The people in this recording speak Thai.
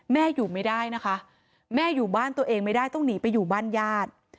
แม่อยู่ไม่ได้นะคะแม่อยู่บ้านตัวเองไม่ได้ต้องหนีไปอยู่บ้านญาติ